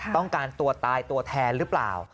ต้องการตัวตายตัวแทนหรือเปล่า